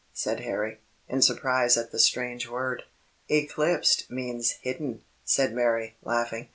said Harry, in surprise at the strange word. "Eclipsed means hidden," said Mary, laughing.